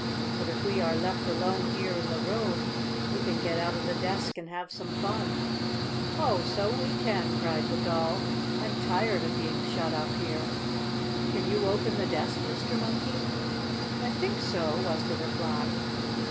"But if we are left alone here in the room we can get out of the desk and have some fun." "Oh, so we can!" cried the Doll. "I'm tired of being shut up here. Can you open the desk, Mr. Monkey?" "I think so," was the reply.